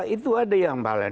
itu ada yang bahkan